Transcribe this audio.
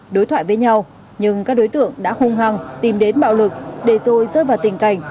đối thoại với nhau nhưng các đối tượng đã hung hăng tìm đến bạo lực để rồi rơi vào tình cảnh